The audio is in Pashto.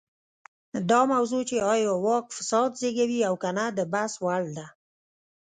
دا موضوع چې ایا واک فساد زېږوي او که نه د بحث وړ ده.